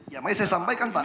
ya maksud saya sampaikan pak